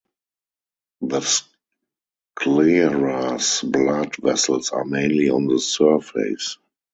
The sclera's blood vessels are mainly on the surface.